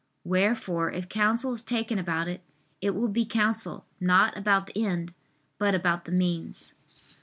Wherefore if counsel is taken about it, it will be counsel not about the end, but about the means.